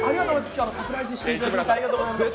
今日はサプライズをしていただきまして、ありがとうございました。